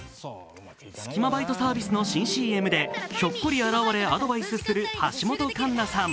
スキマバイトサービスの新ＣＭでひょっこり現れ、アドバイスする橋本環奈さん。